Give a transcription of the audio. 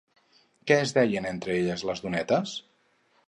Què es deien entre elles les donetes?